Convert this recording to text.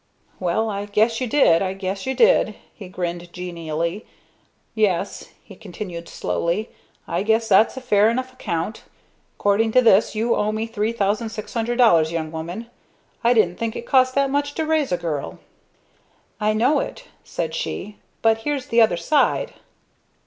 "Well I guess you did I guess you did." He grinned genially. "Yes," he continued slowly, "I guess that's a fair enough account. 'Cording to this, you owe me $3,600.00, young woman! I didn't think it cost that much to raise a girl." "I know it," said she. "But here's the other side."